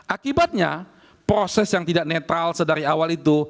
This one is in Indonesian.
akibatnya proses yang tidak netral sedari awal itu